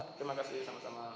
terima kasih sama sama